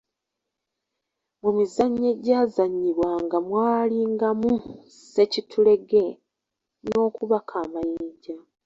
Mu mizannyo egyazannyibwanga mwalingamu ssekitulege n'okubaka amayinja.